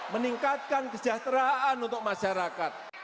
meningkatkan kesejahteraan untuk masyarakat